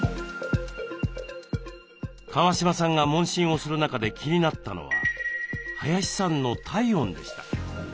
川嶋さんが問診をする中で気になったのは林さんの体温でした。